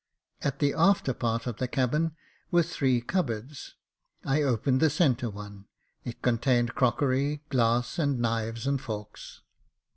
At the after part of the cabin were three cupboards ; I opened the centre one, it contained crockery, glass, and knives and forks.